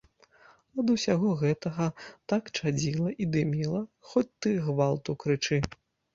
Ад усяго гэтага так чадзіла і дыміла, хоць ты гвалту крычы.